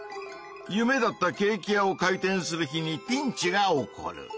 夢だったケーキ屋を開店する日にピンチが起こる！